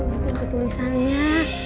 ini untuk tulisannya ya